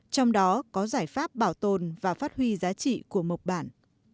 trong đó có giải pháp bảo tồn và phát huy giá trị của mộc bản